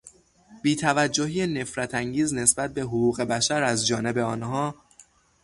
بیتوجهی نفرتانگیز نسبت به حقوق بشر از جانب آنها